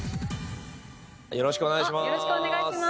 よろしくお願いします。